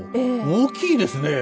大きいですね。